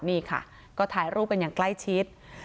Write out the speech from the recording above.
นี่ค่ะก็ถ่ายรูปกันอย่างใกล้ชิด